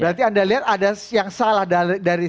berarti anda lihat ada yang salah dari